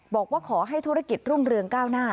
บอกว่าขอให้ธุรกิจรุ่งเรืองก้าวหน้า